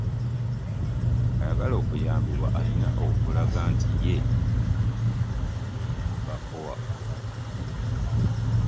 Ayagala okuyambibwa alina okulaga nti ye yeeyambako waakiri akatono.